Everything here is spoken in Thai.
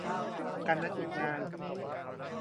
การนัดหยุดงาน